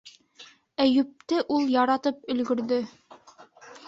Әйүпте ул яратып өлгөрҙө.